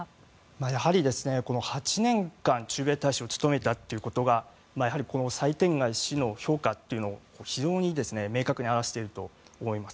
やはり８年間駐米大使を務めたということがサイ・テンガイ氏の評価を非常に明確に表していると思います。